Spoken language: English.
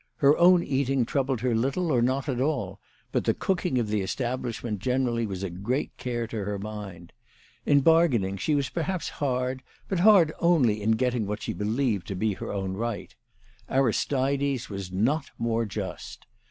Her own eating troubled her little or not at all, but the cooking of the establishment generally was a great care to her mind. In bargaining she was perhaps hard, but hard only in getting what she believed to be her own right. Aristides was not more just.